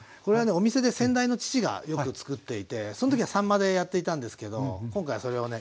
お店で先代の父がよくつくっていてその時はさんまでやっていたんですけど今回はそれをね